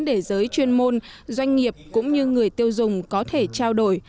để giới chuyên môn doanh nghiệp cũng như người tiêu dùng có thể trao đổi